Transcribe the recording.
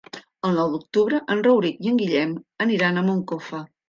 El nou d'octubre en Rauric i en Guillem aniran a Moncofa.